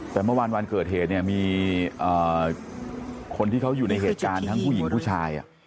แต่เมื่อวานวันเกิดเหตุเนี่ยมีคนที่เขาอยู่ในเหตุการณ์ทั้งผู้หญิงผู้ชาย